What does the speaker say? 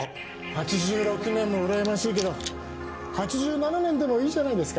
８６年もうらやましいけど８７年でもいいじゃないですか。